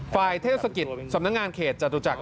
เทศกิจสำนักงานเขตจตุจักร